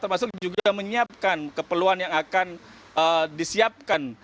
termasuk juga menyiapkan keperluan yang akan disiapkan